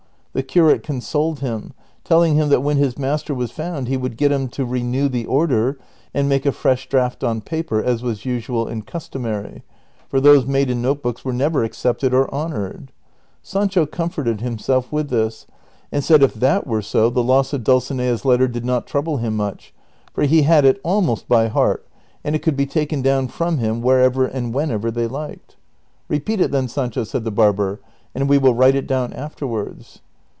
The curate consoled him, telling him that when his master was found he would get him to renew the order, and make a fresh draft on paper, as was usual and customary ; for those made in note books were never accepted or honored. Sancho comforted himself with this, and said if that were so the loss of Dulcinea's letter did not trouble him much, for he had it almost by heart, and it could be taken down from him wherever and whenever they liked. ' The Spanish phrase is stronger — hasta los higados — "down to the liver." CHAPTER XXVI. 209 " Repeat it then, Saiicho," said tlio l);irl)er, ^' and we will write it down afterwards."